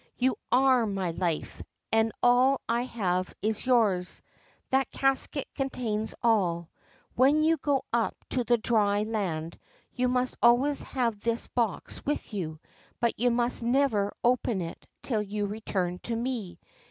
' You are my life, and all I have is yours. That casket contains all. When you go up to the dry land you must always have this box with you, but you must never open it till you return to me.